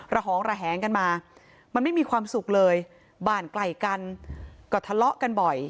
หองระแหงกันมามันไม่มีความสุขเลยบ้านไกลกันก็ทะเลาะกันบ่อย